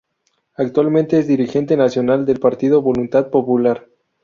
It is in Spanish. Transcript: Actualmente es dirigente nacional del partido Voluntad Popular.